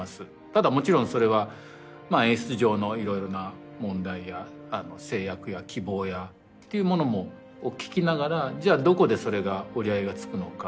ただもちろんそれは演出上の色々な問題や制約や希望ってものを聞きながらじゃあどこでそれが折り合いが付くのか。